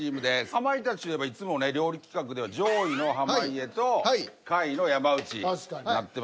かまいたちといえばいつもね料理企画では上位の濱家と下位の山内になってます。